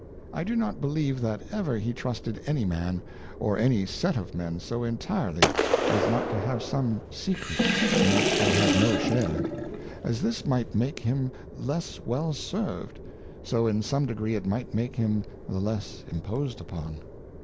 I do notj believe that ever he trusted any Man, or any set of Men so entirely, as not to have some Secrets, in which they had no\ share : As this might make him less well served, so in some ' degree it might make him the less imposed upon.